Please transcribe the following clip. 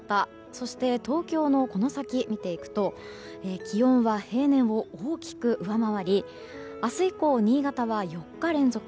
そして、東京のこの先を見ていくと気温は平年を大きく上回り明日以降、新潟は４日連続